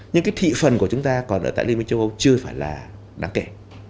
nhưng cái thị phần của chúng ta còn ở tại liên minh châu âu chưa phải là đáng kể